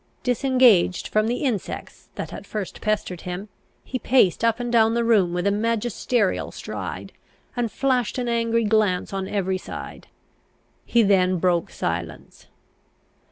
Disengaged from the insects that at first pestered him, he paced up and down the room with a magisterial stride, and flashed an angry glance on every side. He then broke silence.